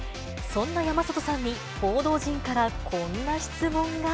そんな山里さんに、報道陣からこんな質問が。